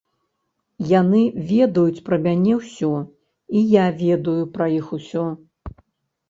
Яны ведаюць пра мяне ўсё, і я ведаю пра іх усё.